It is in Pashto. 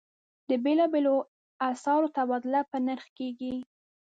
د بېلابېلو اسعارو تبادله په نرخ کېږي.